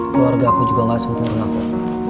keluarga aku juga gak sempurna kok